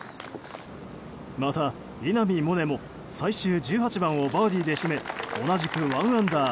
また、稲見萌寧も最終１８番をバーディーで締め同じく１アンダー。